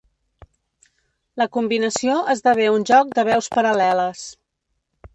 La combinació esdevé un joc de veus paral·leles.